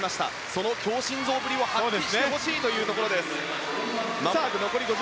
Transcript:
その強心臓ぶりを発揮してほしいところです。